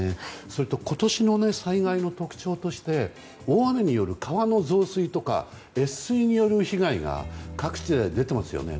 それと今年の災害の特徴として大雨による川の増水とか越水による被害が各地で出ていますよね。